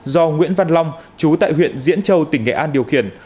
do nguyễn văn long chú tại huyện diễn châu tỉnh nghệ an điều khiển